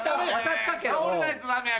倒れないとダメやから。